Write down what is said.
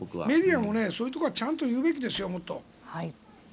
メディアもそういうところはちゃんと言うべきですよ。